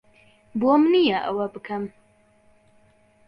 بۆم نییە ئەوە بکەم.